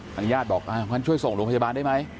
ทางญาติบอกอ่ามันช่วยส่งโรงพยาบาลได้ไหม